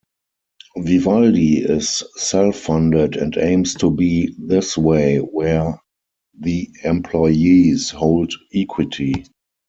Vivaldi is self-funded and aims to be this way where the employees hold equity.